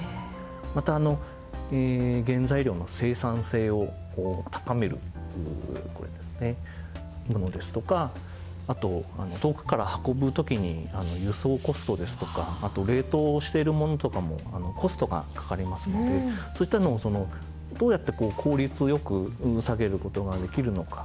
また原材料の生産性を高めるこれですねものですとかあと遠くから運ぶ時に輸送コストですとかあと冷凍しているものとかもコストがかかりますのでそういったのをどうやって効率良く下げる事ができるのか。